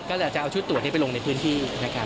ก็จะเอาชุดตรวจได้ไปลงในพื้นที่